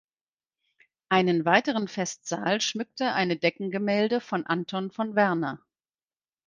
Einen weiteren Festsaal schmückte eine Deckengemälde von Anton von Werner.